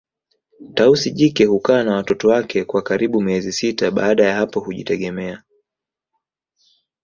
Tausi jike hukaa na watoto wake kwa karibu miezi sita baada ya hapo hujitegemea